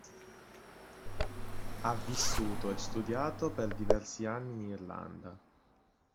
Ha vissuto e studiato per diversi anni in Irlanda.